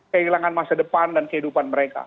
kehilangan masa depan dan kehidupan mereka